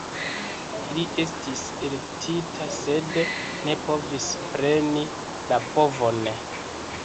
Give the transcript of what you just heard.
Li estis elektita, sed ne povis preni la povon.